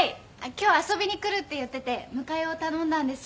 今日遊びに来るって言ってて迎えを頼んだんです。